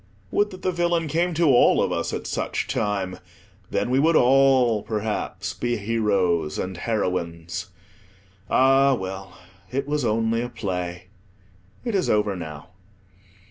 Would that the villain came to all of us at such time; then we would all, perhaps, be heroes and heroines. Ah well, it was only a play: it is over now.